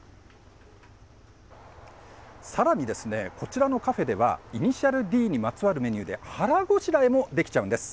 さらにこちらのカフェでは、頭文字Ｄにまつわるメニューで腹ごしらえもできちゃうんです。